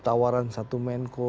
tawaran satu menko